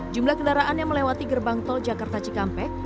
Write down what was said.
jumlah kendaraan yang melewati gerbang tol jakarta cikampek